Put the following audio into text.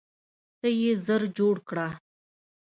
ته یې ژر جوړ کړه.